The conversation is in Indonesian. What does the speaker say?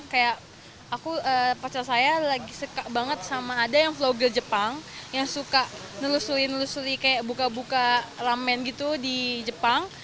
kayak aku pacar saya lagi suka banget sama ada yang vlogger jepang yang suka nelusuri nelusuri kayak buka buka ramen gitu di jepang